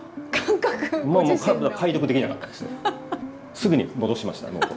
すぐに戻しましたノート。